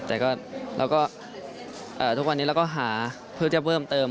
แต่เราก็ทุกวันนี้เราก็หาเพื่อจะเพิ่มเติม